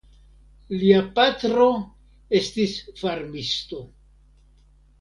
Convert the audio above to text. Lia patro estis farmisto.